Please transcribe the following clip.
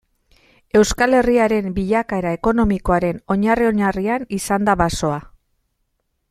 Euskal Herriaren bilakaera ekonomikoaren oinarri-oinarrian izan da basoa.